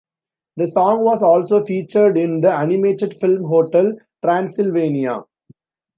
The song was also featured in the animated film Hotel Transylvania.